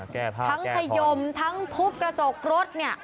ทั้งขยมทั้งทุบกระจกรถ